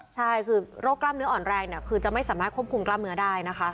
ใช่คือโรคกล้ามเนื้ออ่อนแรงคือจะไม่สามารถควบคุมกล้ามเนื้อได้นะคะ